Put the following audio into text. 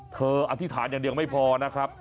อธิษฐานอย่างเดียวไม่พอนะครับ